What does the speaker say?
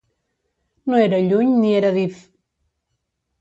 No era lluny ni era dif